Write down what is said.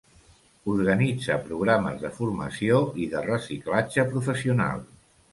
Organitza programes de formació i de reciclatge professional.